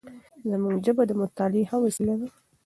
زموږ ژبه د مطالعې ښه وسیله ده.